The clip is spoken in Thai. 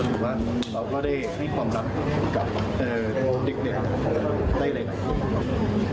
เราก็ไม่มีความรักกับเด็กได้เลยก็พร้อม